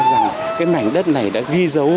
rằng cái mảnh đất này đã ghi dấu